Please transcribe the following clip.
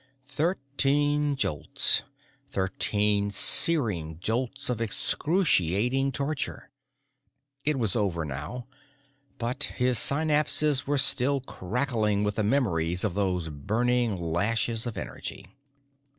Thirteen jolts. Thirteen searing jolts of excruciating torture. It was over now, but his synapses were still crackling with the memories of those burning lashes of energy.